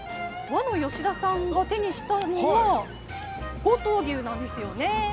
和の吉田さんが手にしたのは五島牛なんですよね。